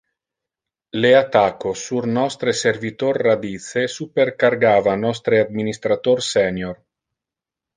Le attacco sur nostre servitor radice supercargava nostre administrator senior.